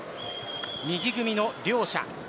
右組みの両者。